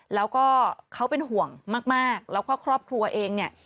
แล้วก็เขาเป็นห่วงมากแล้วก็ครอบครัวเองเนี่ย